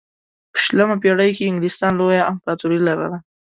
په شلمه پېړۍ کې انګلستان لویه امپراتوري لرله.